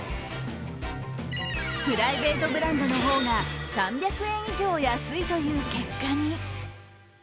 プライベートブランドの方が３００円以上安いという結果に。